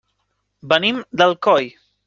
Venim d'Alcoi.